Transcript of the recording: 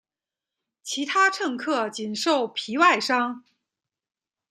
其他乘客仅受皮外伤。